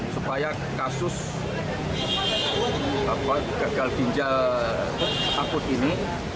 supaya kasus gagal ginjal akut ini